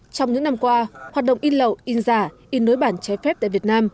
trong những năm qua hoạt động in lậu in giả in đối bản trái phép tại việt nam